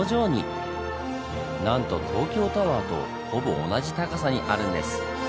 なんと東京タワーとほぼ同じ高さにあるんです。